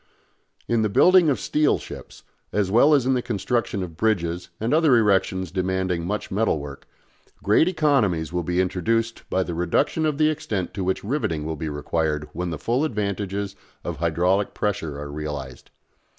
In the building of steel ships, as well as in the construction of bridges and other erections demanding much metal work, great economies will be introduced by the reduction of the extent to which riveting will be required when the full advantages of hydraulic pressure are realised.